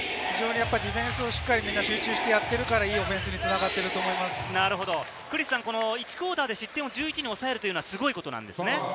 ディフェンスをみんな集中してやっているから、いいオフェンスに繋がっていると１クオーターで失点を１１に抑えることはすごいことなんですよね？